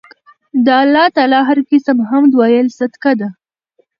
د الله تعالی هر قِسم حمد ويل صدقه ده